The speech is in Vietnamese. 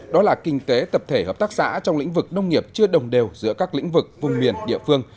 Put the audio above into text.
đó là kinh tế tập thể hợp tác xã trong lĩnh vực nông nghiệp chưa đồng đều giữa các lĩnh vực vùng miền địa phương